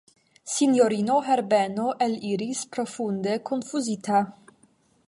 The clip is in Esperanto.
Sinjorino Herbeno eliris profunde konfuzita.